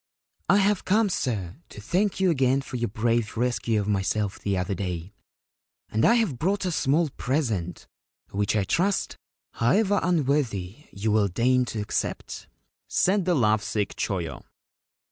c 1 have come, sir, to thank you again for your brave rescue of myself the other day, and I have brought a small present, which, I trust, however unworthy, you will deign to accept/ said the love sick Choyo.